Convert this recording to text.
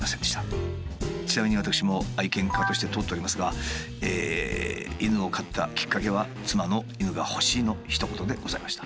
ちなみに私も愛犬家として通っておりますが犬を飼ったきっかけは妻の「犬が欲しい」のひと言でございました。